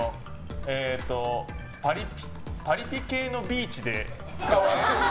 パリピ系のビーチで使われる。